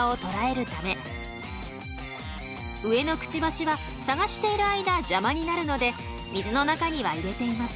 上のクチバシは探している間邪魔になるので水の中には入れていません。